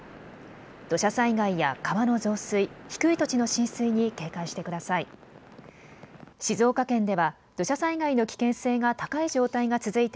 土砂災害や川の増水、低い土地の浸水に警戒してください。